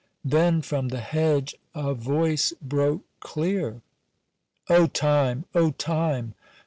Then from the hedge a voice broke clear:— "O Time! O Time!